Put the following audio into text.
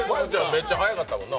めっちゃ早かったもんな。